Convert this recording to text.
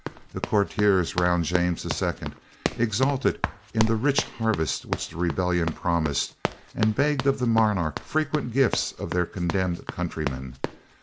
The courtiers round James II. exulted in the rich harvest which the rebellion promised, and begged of the monarch frequent gifts of their condemned countrymen.